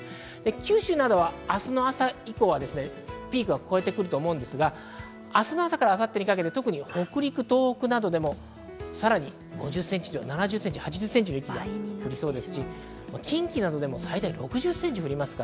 九州などは明日の朝以降はピークは越えてくると思いますが、明日の朝から明後日にかけて北陸、東北などでもさらに５０センチ以上降りそうですし、近畿などでも最大６０センチ降ります。